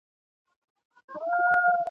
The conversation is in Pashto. اور چي مي پر سیوري بلوي رقیب ..